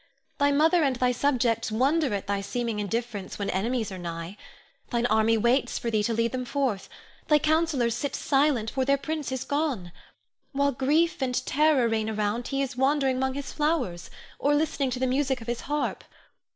Thy mother and thy subjects wonder at thy seeming indifference when enemies are nigh. Thine army waits for thee to lead them forth; thy councillors sit silent, for their prince is gone. While grief and terror reign around, he is wandering 'mong his flowers, or listening to the music of his harp.